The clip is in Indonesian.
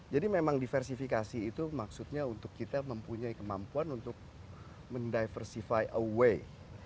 jadi memang diversifikasi itu maksudnya untuk kita mempunyai kemampuan untuk mendiversify a way